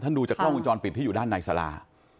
ดูจากกล้องวงจรปิดที่อยู่ด้านในสารา